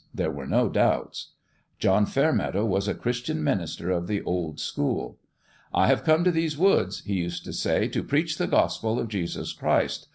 There were no doubts. John Fairmeadow was a Chris tian minister of the old school. " I have come to these woods," he used to say, " to preach the Gospel of Jesus Christ.